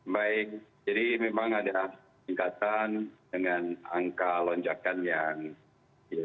baik jadi memang ada peningkatan dengan angka lonjakan yang ya